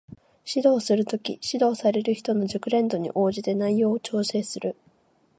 指導する時、指導される人の熟練度に応じて内容を調整する